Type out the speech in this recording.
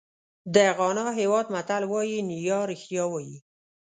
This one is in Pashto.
د غانا هېواد متل وایي نیا رښتیا وایي.